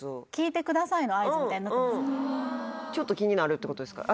ちょっと気になるってことですか？